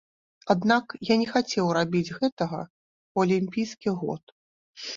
Аднак я не хацеў рабіць гэтага ў алімпійскі год.